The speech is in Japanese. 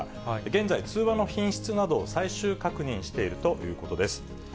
現在、通話の品質など、最終確認しているということです。